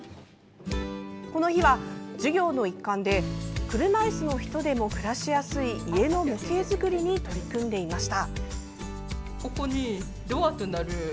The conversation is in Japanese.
この日は授業の一環で車いすの人でも暮らしやすい家の模型作りに取り組んでいました。